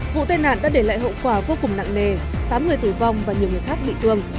vụ tai nạn đã để lại hậu quả vô cùng nặng nề tám người tử vong và nhiều người khác bị thương